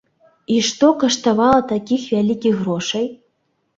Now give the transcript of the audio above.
І што каштавала такіх вялікіх грошай?